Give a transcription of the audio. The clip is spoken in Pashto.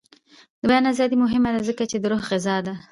د بیان ازادي مهمه ده ځکه چې د روح غذا ده.